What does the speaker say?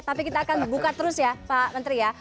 tapi kita akan buka terus ya pak menteri ya